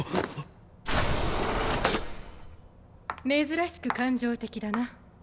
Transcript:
珍しく感情的だな。